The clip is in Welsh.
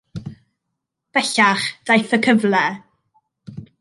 Bellach, daeth y cyfle.